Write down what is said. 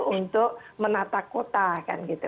untuk menata kota kan gitu